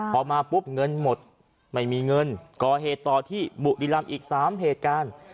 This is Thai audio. พอมาปุ๊บเงินหมดไม่มีเงินก่อเหตุต่อที่บุรีรำอีก๓เหตุการณ์